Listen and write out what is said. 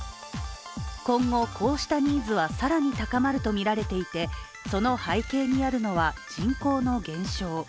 今後こうしたニーズは、更に高まるとみられていてその背景にあるのは人口の減少。